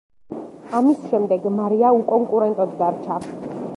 ამის შემდეგ მარია უკონკურენტოდ დარჩა.